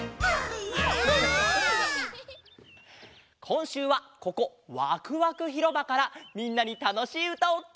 こんしゅうはここわくわくひろばからみんなにたのしいうたをとどけるよ！